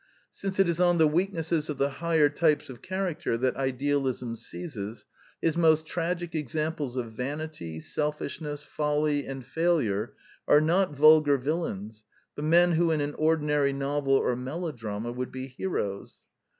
Since it is on the weaknesses of the higher types of char acter that idealism seizes, his most tragic ex amples of vanity, selfishness, folly, and failure are not vulgar villains, but men who in an ordi nary novel or melodrama would be heroes.